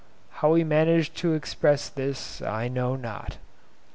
How he managed to express this I know not.